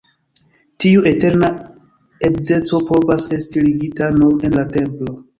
Tiu eterna edzeco povas esti ligita nur en la templo.